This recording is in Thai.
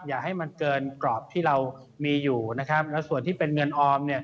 อย่าให้มันเกินกรอบที่เรามีอยู่นะครับแล้วส่วนที่เป็นเงินออมเนี่ย